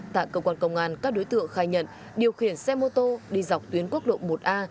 tại cơ quan công an các đối tượng khai nhận điều khiển xe mô tô đi dọc tuyến quốc lộ một a